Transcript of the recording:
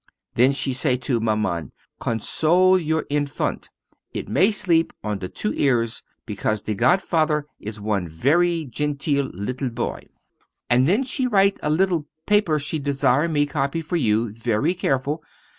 Then she say to Maman: "Console your infant, it may sleep on the two ears, because the godfather is one very genteel little boy." And then she write a little paper she desire me copy for you very careful.